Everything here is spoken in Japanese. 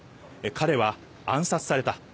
彼は暗殺された。